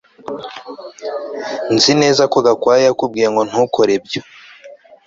Nzi neza ko Gakwaya yakubwiye ngo ntukore ibyo